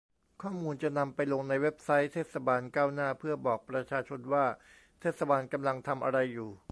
ข้อมูลจะนำไปลงในเว็บไซต์เทศบาลก้าวหน้า เพื่อบอกประชาชนว่าเทศบาลกำลังทำอะไรอยู่